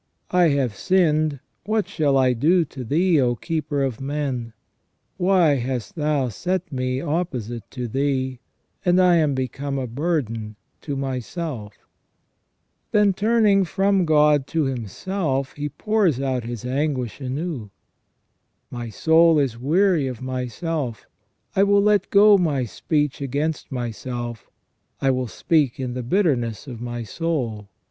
I have sinned, what shall I do to Thee, O keeper of men ? Why hast Thou set me opposite to Thee, and I am become a burden to myself" Then, turning from God to himself, he pours out his anguish anew: "My soul is weary of myself, I will let go my speech against myself, I will speak in the bitterness of my soul.